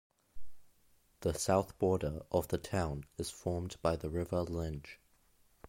The south border of the town is formed by the river Linge.